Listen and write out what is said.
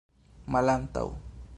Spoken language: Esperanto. malantaŭ